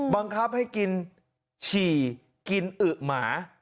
บังคับให้กินฉี่กินอึ๋หมา